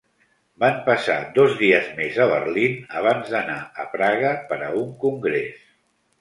Van passar dos dies més a Berlín abans d'anar a Praga per a un congrés.